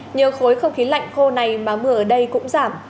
nhờ khối không khí lạnh khô này mà mưa ở đây cũng giảm